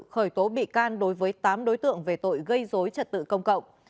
khởi tố bị can đối với tám đối tượng về tội gây dối trật tự công cộng